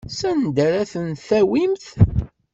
Sanda ara ten-tawimt?